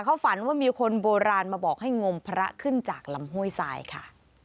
เขาฝันว่ามีคนโบราณมาบอกให้งมพระขึ้นจากลำห้วยทรายค่ะ